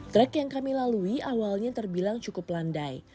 trek yang kami lalui awalnya terbilang cukup landai